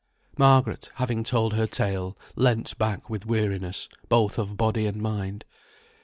Margaret, having told her tale, leant back with weariness, both of body and mind.